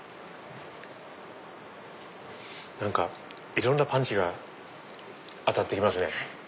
何かいろんなパンチが当たって来ますね。